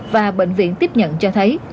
và bệnh viện tiếp nhận cho thấy